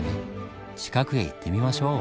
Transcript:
近くへ行ってみましょう。